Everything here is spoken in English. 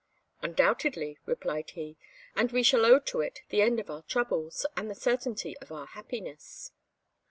"Undoubtedly," replied he; "and we shall owe to it the end of our troubles, and the certainty of our happiness."